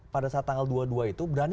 pada saat tanggal dua puluh dua itu berani